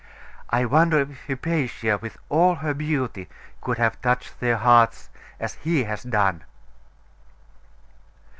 I wonder if Hypatia, with all her beauty, could have touched their hearts as he has done?